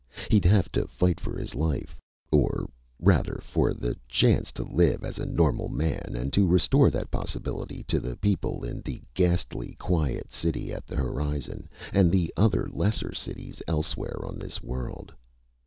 He'd have to fight for his life or rather, for the chance to live as a normal man, and to restore that possibility to the people in the ghastly quiet city at the horizon and the other lesser cities elsewhere on this world.